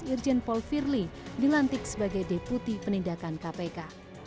irjen paul firly dilantik sebagai deputi penindakan kpk